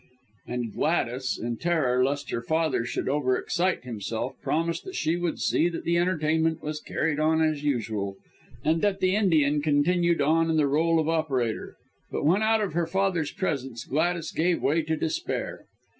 And Gladys, in terror lest her father should over excite himself, promised she would see that the entertainment was carried on as usual, and that the Indian continued in the rôle of operator. But when out of her father's presence, Gladys gave way to despair.